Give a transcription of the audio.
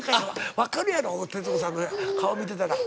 わかるやろ徹子さんの顔見てたら。